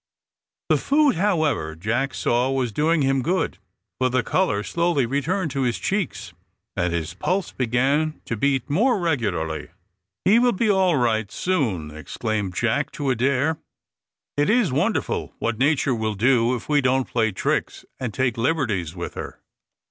The food, however, Jack saw was doing him good, for the colour slowly returned to his cheeks, and his pulse began to beat more regularly. "He will be all right soon," exclaimed Jack to Adair. "It is wonderful what Nature will do if we don't play tricks, and take liberties with her."